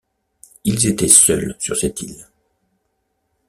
Ils étaient seuls sur cette île